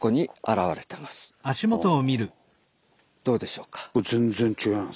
どうでしょうか？